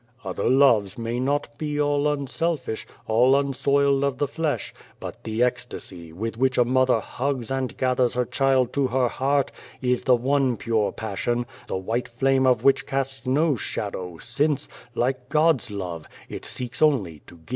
"Other loves may not be all unselfish, all unsoiled of the flesh, but the ecstasy, with which a mother hugs and gathers her child to her heart, is the one pure passion, the white flame of which casts no shadow, since, like God's love, it seeks only to give.